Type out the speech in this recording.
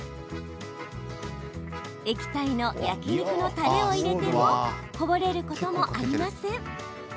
液体の焼き肉のたれを入れてもこぼれることはありません。